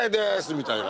みたいな。